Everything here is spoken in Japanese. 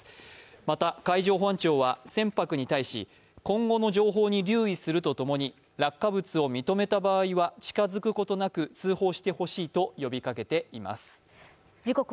また、海上保安庁は船舶に対し、今後も情報に留意するとともに落下物を認めた場合は近づくことなく通報してほしいと呼びかけています。